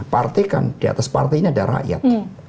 partikan di atas partinya ada rakyat